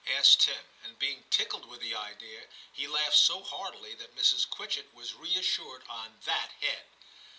asked Tim, and being tickled with the idea, he laughed so heartily that Mrs. Quitchetl was reassured on that head.